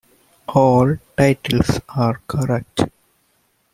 All titles are correct.